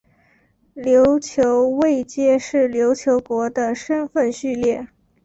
琉球位阶是琉球国的身分序列。